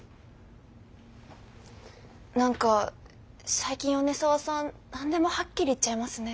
何か最近米沢さん何でもはっきり言っちゃいますね。